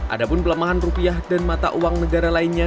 adapun pelemahan rupiah dan mata uang negara lainnya